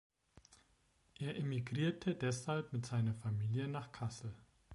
Er emigrierte deshalb mit seiner Familie nach Kassel.